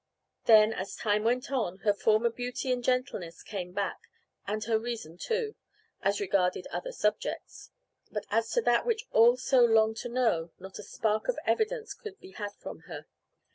Then, as time went on, her former beauty and gentleness came back, and her reason too, as regarded other subjects. But as to that which all so longed to know, not a spark of evidence could be had from her.